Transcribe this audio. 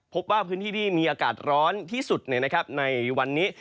พบว่าพื้นที่ที่มีอากาศร้อนที่สุดในวันนี้